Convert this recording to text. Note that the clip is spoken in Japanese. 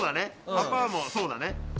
アパーもそうだね。